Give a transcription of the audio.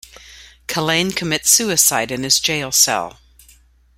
Kalain commits suicide in his jail cell.